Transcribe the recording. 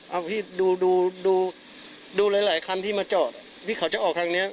เอาพี่ดูดูหลายหลายคันที่มาจอดที่เขาจะออกทางเนี้ย